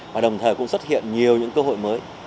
và đồng thời cũng xuất hiện nhiều những cơ hội mới